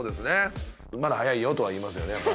「まだ早いよ」とは言いますよねやっぱ。